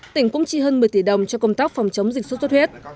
tỉnh cũng chi hơn một mươi tỷ đồng cho công tác phòng chống dịch xuất xuất huyết